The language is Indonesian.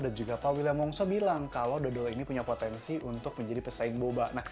dan juga pak william wongso bilang kalau dodol ini punya potensi untuk menjadi pesaing boba